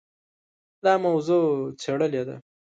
دا موضوع څېړلې ده.